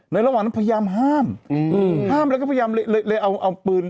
ในระหว่างนั้นพยายามห้ามอืมห้ามแล้วก็พยายามเลยเลยเลยเอาเอาปืน